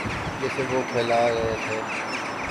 جسے وہ پھیلا رہے تھے۔